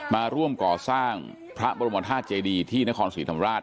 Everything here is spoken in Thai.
มาร่วมก่อสร้างพระบรมธาตุเจดีที่นครศรีธรรมราช